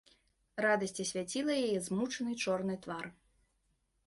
Радасць асвяціла яе змучаны чорны твар.